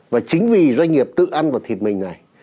và chính vì doanh nghiệp tự ăn vào thịt mình này